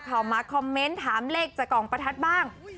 เข้ามาคอมเมนต์ถามเลขจากกล่องประทัดบ้าง